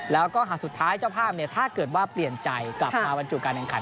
แล้วก็หากสุดท้ายเจ้าภาพถ้าเกิดว่าเปลี่ยนใจกลับมาบรรจุการแข่งขัน